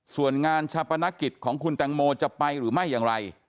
ส่วนงานชาปนกิจของคุณแตงโมจะไปหรือไม่อย่างไร